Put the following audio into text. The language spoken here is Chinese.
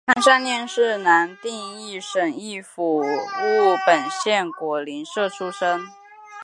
潘善念是南定省义兴府务本县果灵社出生。